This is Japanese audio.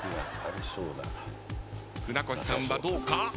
船越さんはどうか？